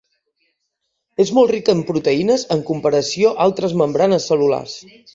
És molt rica en proteïnes en comparació altres membranes cel·lulars.